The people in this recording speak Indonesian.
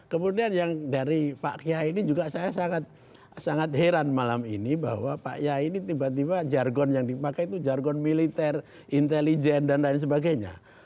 kemudian yang dari pak kiai ini juga saya sangat heran malam ini bahwa pak kiai ini tiba tiba jargon yang dipakai itu jargon militer intelijen dan lain sebagainya